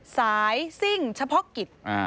ซิ่งเฉพาะกิจ